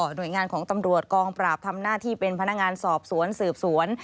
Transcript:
หน่วยงานของตำรวจกองปราบทำหน้าที่เป็นพนักงานสอบสวนสืบสวน